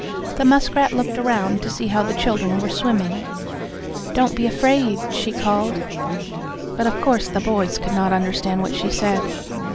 The muskrat looked around to see how the children were swimming. "Don't be afraid," she called, but of course the boys could not understand what she said.